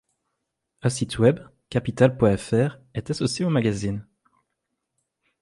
Un site web, Capital.fr, est associé au magazine.